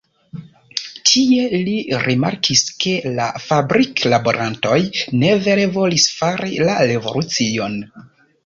Tie, li rimarkis ke la fabrik-laborantoj ne vere volis fari la revolucion.